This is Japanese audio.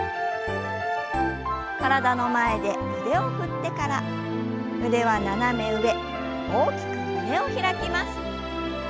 体の前で腕を振ってから腕は斜め上大きく胸を開きます。